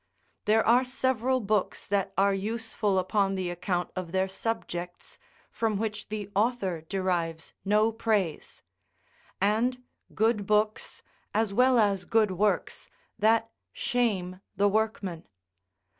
There are several books that are useful upon the account of their subjects, from which the author derives no praise; and good books, as well as good works, that shame the workman.